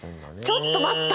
ちょっと待った！